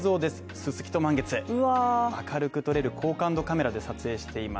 ススキと満月が明るく撮れる高感度カメラで撮影しています